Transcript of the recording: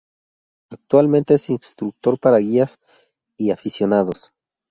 Actualmente es Instructor para Guías y Aficionados.